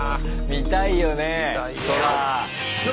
見たいよ。